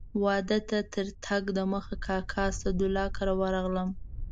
واده ته تر تګ دمخه کاکا اسدالله کره ورغلم.